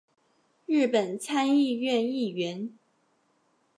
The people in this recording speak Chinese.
日本参议院议员。